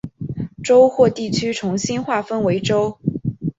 州或地区重新划分为州。